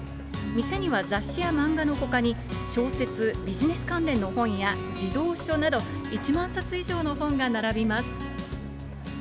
店には雑誌や漫画のほかに、小説、ビジネス関連の本や、児童書など、１万冊以上の本が並びます。